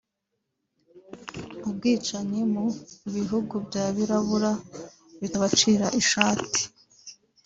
Ubwicanyi mu bihugu by’abirabura bitabacira ishati